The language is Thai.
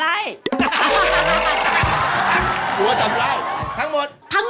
ไม่ธรรมดา